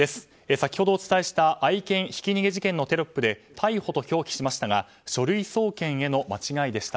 先ほど、お伝えした愛犬ひき逃げ事件のテロップで逮捕と表記しましたが書類送検への間違いでした。